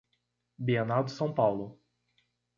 Bienal de São Paulo